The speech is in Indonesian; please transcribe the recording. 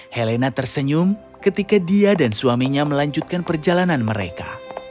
helena tersenyum ketika dia dan suaminya melanjutkan perjalanan mereka